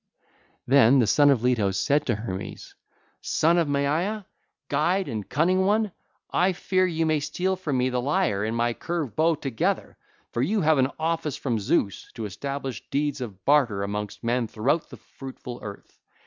(ll. 513 520) Then the son of Leto said to Hermes: 'Son of Maia, guide and cunning one, I fear you may steal form me the lyre and my curved bow together; for you have an office from Zeus, to establish deeds of barter amongst men throughout the fruitful earth.